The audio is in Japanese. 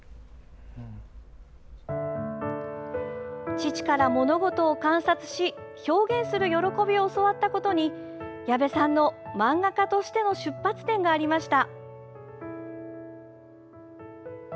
父から、物事を観察し表現する喜びを教わったことに矢部さんの、漫画家としての出発点がありました。